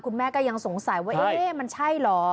แม่ก็ยังสงสัยว่าเอ๊ะมันใช่เหรอ